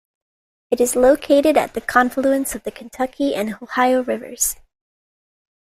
It is located at the confluence of the Kentucky and Ohio Rivers.